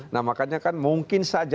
nah makanya kan mungkin saja